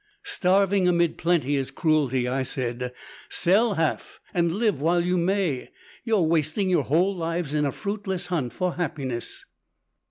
"Starving amid plenty is cruelty," I said. "Sell half and live while you may. You are wasting your whole lives in a fruitless hunt for happiness."